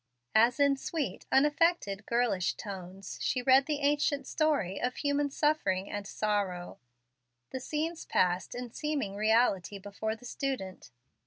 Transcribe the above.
As in sweet, unaffected, girlish tones she read the ancient story of human suffering and sorrow, the scenes passed in seeming reality before the student.